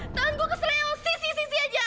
tangan gue keselew sisi sisi aja